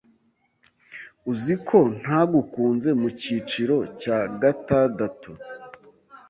Uzi ko ntagukunze mu cyiciro cya gatadatu.